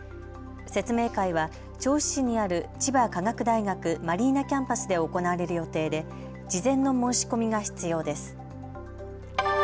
説明会は銚子市にある千葉科学大学マリーナキャンパスで行われる予定で事前の申し込みが必要です。